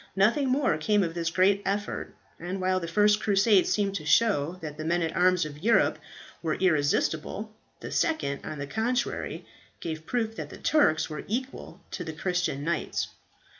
Nothing more came of this great effort, and while the first Crusade seemed to show that the men at arms of Europe were irresistible, the second on the contrary gave proof that the Turks were equal to the Christian knights.